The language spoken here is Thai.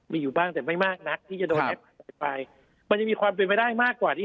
มีอยู่บ้างแต่ไม่มากนักที่จะโดนแอปอะไรไปมันยังมีความเป็นไปได้มากกว่าที่